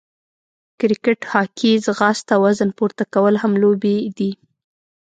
کرکېټ، هاکې، ځغاسته، وزن پورته کول هم لوبې دي.